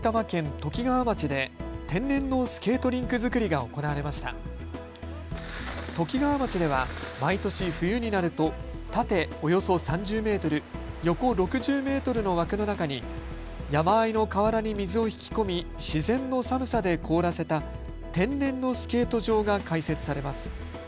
ときがわ町では毎年、冬になると縦およそ３０メートル、横６０メートルの枠の中に、山あいの河原に水を引き込み自然の寒さで凍らせた天然のスケート場が開設されます。